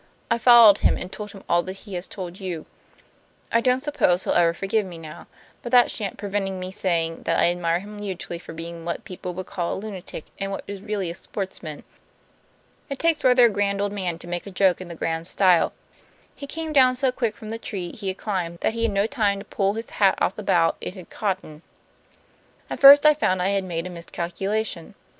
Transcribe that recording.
I followed him, and told him all that he has told you. I don't suppose he'll ever forgive me now, but that shan't prevent me saying that I admire him hugely for being what people would call a lunatic and what is really a sportsman. It takes rather a grand old man to make a joke in the grand style. He came down so quick from the tree he had climbed that he had no time to pull his hat off the bough it had caught in. "At first I found I had made a miscalculation.